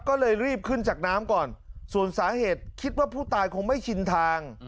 ก็เลยรีบขึ้นจากน้ำก่อนส่วนสาเหตุคิดว่าผู้ตายคงไม่ชินทาง